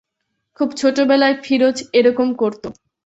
খুব ছোটবেলায় ফিরোজ এরকম করত।